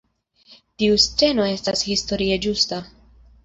Tiu sceno estas historie ĝusta.